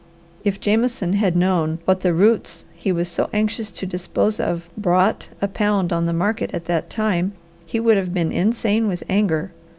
If Jameson had known what the roots he was so anxious to dispose of brought a pound on the market at that time, he would have been insane with anger.